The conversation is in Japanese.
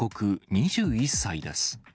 ２１歳です。